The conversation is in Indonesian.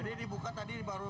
tadi dibuka tadi baru